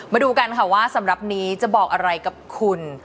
มาดูกันค่ะว่าสำหรับนี้จะบอกอะไรกับคุณ